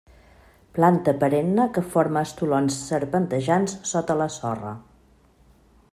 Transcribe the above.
Planta perenne que forma estolons serpentejants sota la sorra.